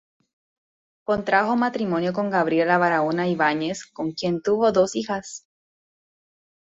Contrajo matrimonio con Gabriela Barahona Ibáñez, con quien tuvo dos hijas.